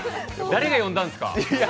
誰が呼んだんですか？